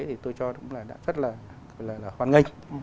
thì tôi cho là đã rất là hoan nghênh